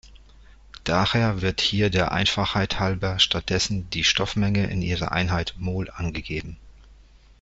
Daher wird hier der Einfachheit halber stattdessen die Stoffmenge in ihrer Einheit Mol angegeben.